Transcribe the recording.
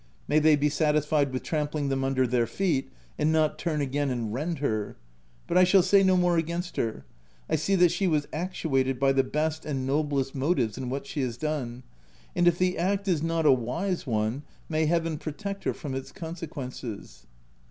May they be satisfied with trampling them under their feet, and not turn again and rend her ! But I shall say no more against her : I see that she was actuated by the best and noblest motives in what she has done ; and if the act is not a wise one, may Heaven protect her from its conse quences